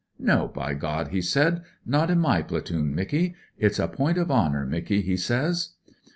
* No, by God I ' he said, * not in my platoon, Micky. It's a point of honour, Micky,' he says.